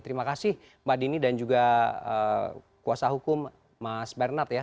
terima kasih mbak dini dan juga kuasa hukum mas bernard ya